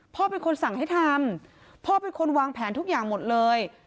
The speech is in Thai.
พ่อเป็นคนสั่งให้ทำพ่อเป็นคนวางแผนทุกอย่างหมดเลย